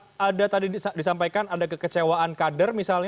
apakah ada tadi disampaikan ada kekecewaan kader misalnya